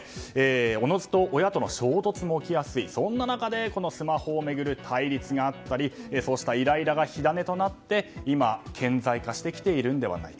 おのずと親との衝突も起きやすい中でスマホを巡る対立があったりそうしたイライラが火種となって今、顕在化をしてきているのではないか。